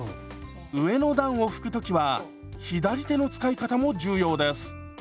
上の段を拭く時は左手の使い方も重要です。